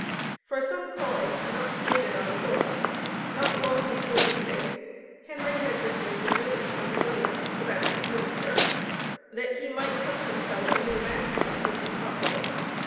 For some cause not stated on the books, not long before leaving, Henry had received a notice from his owner, (the Baptist Minister) that he might hunt himself a new master as soon as possible.